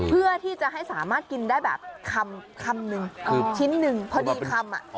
เพื่อที่จะให้สามารถกินได้แบบคำนึงชิ้นหนึ่งพอดีคำ